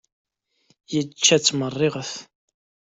Ičča-tt meṛṛiɣet.